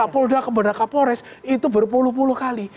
kapolda kepada kapolres itu berpuluh puluh kali